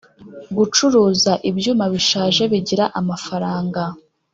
gucuruza ibyuma bishaje bigira amafaranga